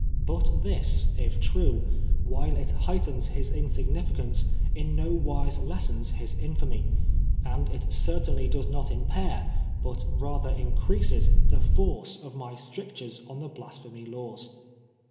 But this, if true, while it heightens his insignificance, in no wise lessens his infamy ; and it certainly does not impair, but rather increases, the force of my strictures on the Blasphemy Laws. OUB FIBST SUMMONS.